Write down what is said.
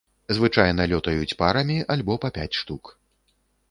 Звычайна лётаюць парамі альбо па пяць штук.